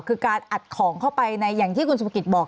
คือการอัดของเข้าไปในอย่างที่คุณสุภกิจบอก